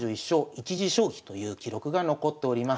１持将棋という記録が残っております。